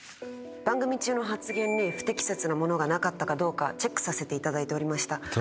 番組中の発言に不適切なものがなかったかチェックさせていただいておりました。